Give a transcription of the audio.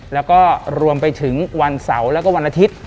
แล้วก็รวมไปถึงวันเสาร์แล้วก็วันอาทิตย์